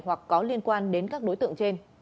hoặc có liên quan đến các đối tượng trên